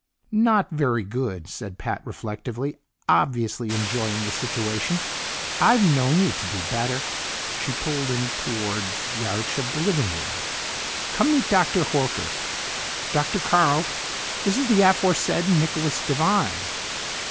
"Not very good," said Pat reflectively, obviously enjoying the situation. "I've known you to do better." She pulled him toward the arch of the living room. "Come meet Dr. Horker. Dr. Carl, this is the aforesaid Nicholas Devine."